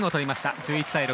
１１対６。